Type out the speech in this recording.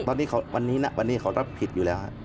ตอนนี้วันนี้นะวันนี้เขารับผิดอยู่แล้ว